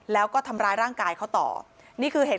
แล้วก็ทำร้ายร่างกายเขาต่อ